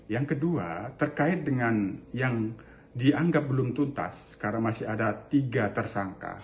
yang kedua terkait dengan yang dianggap belum tuntas karena masih ada tiga tersangka